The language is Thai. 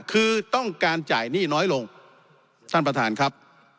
คือต้องการจ่ายหนี้น้อยลงท่านประธานครับ